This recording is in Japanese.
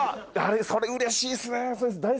それうれしいっすね。